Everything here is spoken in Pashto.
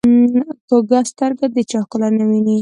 کوږه سترګه د چا ښکلا نه ویني